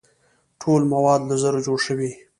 ټول مواد له ذرو جوړ شوي.